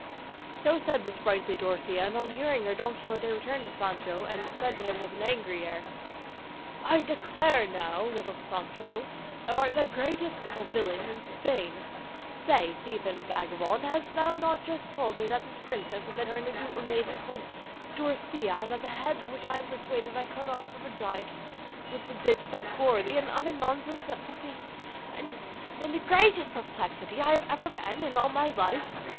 So said the sprightly Dorothea, and on hearing her Don Quixote turned to Sancho, and said to him, with an angry air, "I declare now, little Sancho, thou art the greatest little villain in Spain. Say, thief and vagabond, hast thou not just now told me that this princess had been turned into a maiden called Dorothea, and that the head which I am persuaded I cut off from a giant was the bitch that bore thee, and other nonsense that put me in the greatest perplexity I have ever been in all my life?